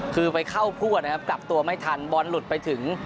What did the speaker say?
คือไปเข้าพั่วนะครับกลับตัวไม่ทันบอลหลุดไปถึง